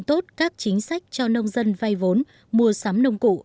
được sự che chở của nhân dân khiến địch khó có thể phát hiện